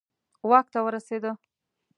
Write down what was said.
واک ته ورسېدي.